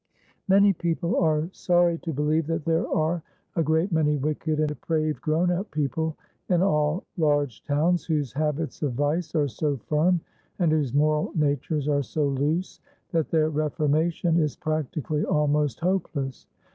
Many people are sorry to believe that there are a great many wicked and depraved grown up people in all large towns, whose habits of vice are so firm, and whose moral natures are so loose, that their reformation is practically almost hopeless.